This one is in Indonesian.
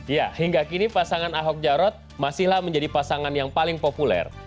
ya hingga kini pasangan ahok jarot masihlah menjadi pasangan yang paling populer